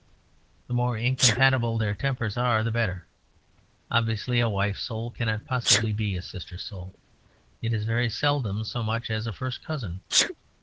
The more incompatible their tempers are the better. Obviously a wife's soul cannot possibly be a sister soul. It is very seldom so much as a first cousin.